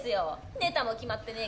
「ネタも決まってねえ